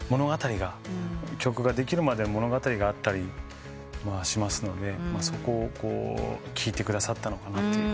曲ができるまで物語があったりしますのでそこを聴いてくださったのかなと。